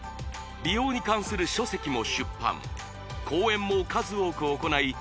美容に関する書籍も出版講演も数多く行い